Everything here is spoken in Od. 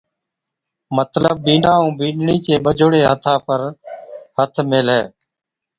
مطلب بِينڏا ائُون بِينڏڙِي چي ٻجھوڙي ھٿان پر ھٿ ميلھِي